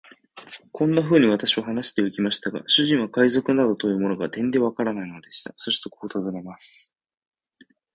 こんなふうに私は話してゆきましたが、主人は海賊などというものが、てんでわからないのでした。そしてこう尋ねます。